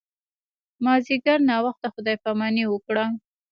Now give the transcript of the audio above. مازیګر ناوخته خدای پاماني وکړه.